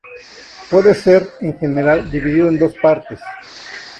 Puede ser, en general, dividido en dos partes.